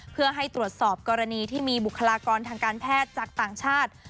เพื่อให้ตรวจสอบกรณีที่มีบุคลากรทางการแพทย์จากต่างชาติ